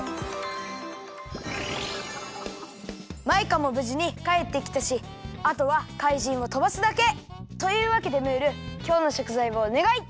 マイカもぶじにかえってきたしあとは怪人をとばすだけ！というわけでムールきょうのしょくざいをおねがい！